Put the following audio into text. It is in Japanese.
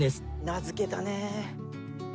名付けたねえ。